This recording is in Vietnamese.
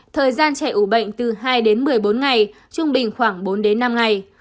thời gian chạy ủ bệnh từ hai một mươi bốn ngày trung bình khoảng bốn năm ngày